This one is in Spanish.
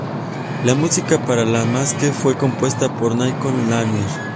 La música para la masque fue compuesta por Nicholas Lanier.